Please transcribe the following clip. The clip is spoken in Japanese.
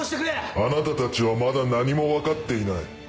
あなたたちはまだ何も分かっていない。